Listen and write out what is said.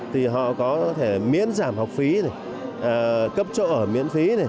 thì họ có thể miễn giảm học phí cấp chỗ ở miễn phí